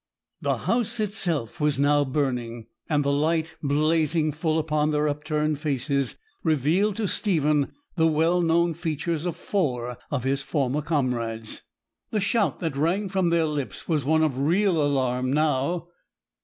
The house itself was now burning, and the light, blazing full upon their upturned faces, revealed to Stephen the well known features of four of his former comrades. The shout that rang from their lips was one of real alarm now.